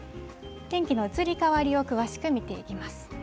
天気の移り変わりを詳しく見ていきます。